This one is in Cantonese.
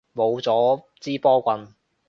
冇咗支波棍